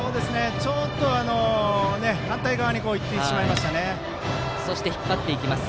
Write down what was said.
ちょっと反対側に行ってしまいましたね。